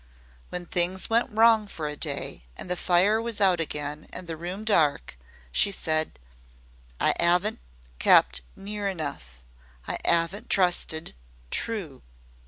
When things went wrong for a day and the fire was out again and the room dark, she said, 'I 'aven't kept near enough I 'aven't trusted TRUE.